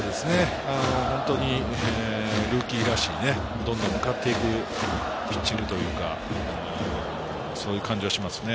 本当にルーキーらしく、どんどん向かっていくピッチングというか、そういう感じがしますね。